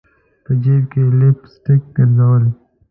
په جیب کي لپ سټک ګرزول